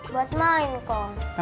buat main kong